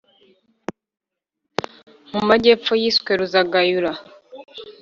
Mu majyepfo yiswe “Ruzagayura”.